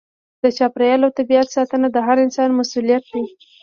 د چاپیریال او طبیعت ساتنه د هر انسان مسؤلیت دی.